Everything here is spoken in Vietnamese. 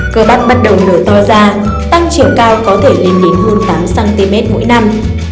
cơ bắt bắt đầu lửa to ra tăng chiều cao có thể lên đến hơn tám cm mỗi năm